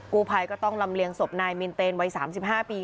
กู้ภัยก็ต้องลำเลียงศพนายมินเตนวัย๓๕ปี